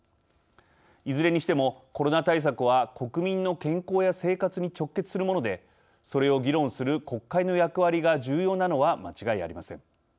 いずれにしてもコロナ対策は国民の健康や生活に直結するものでそれを議論する国会の役割が重要なのは間違いありません。